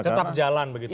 tetap jalan begitu ya